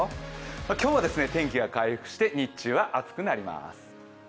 今日は天気が回復して日中は暑くなります。